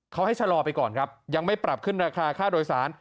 เขาให้ชะลอไปก่อนครับยังไม่ปรับขึ้นราคาค่าโดยสาร